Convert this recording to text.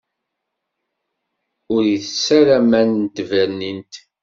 Ur itess ara aman n tbernint.